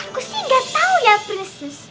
aku sih nggak tau ya prinses